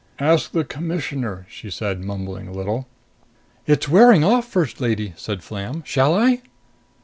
"Ask the Commissioner," she said, mumbling a little. "It's wearing off, First Lady," said Flam. "Shall I?"